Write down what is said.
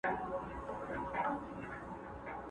سره لمبه به ګل غونډۍ وي، د سرو ګلو له محشره؛